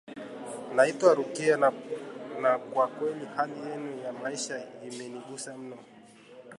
"Naitwa Rukia na kwa kweli hali yenu ya maisha imenigusa mno